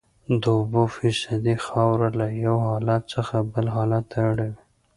د اوبو فیصدي خاوره له یو حالت څخه بل حالت ته اړوي